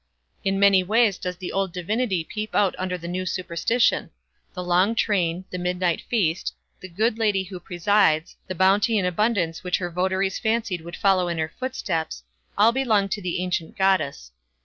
In many ways does the old divinity peep out under the new superstition—the long train, the midnight feast, "the good lady" who presides, the bounty and abundance which her votaries fancied would follow in her footsteps, all belong to the ancient Goddess.